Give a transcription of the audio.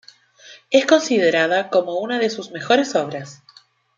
Es considerada como una de sus mejores obras.